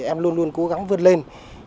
em luôn luôn cố gắng vươn lên